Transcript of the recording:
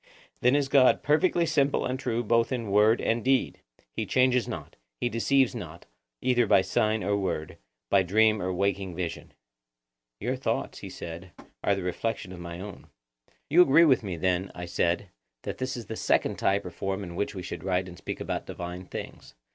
Then is God perfectly simple and true both in word and deed; he changes not; he deceives not, either by sign or word, by dream or waking vision. Your thoughts, he said, are the reflection of my own. You agree with me then, I said, that this is the second type or form in which we should write and speak about divine things.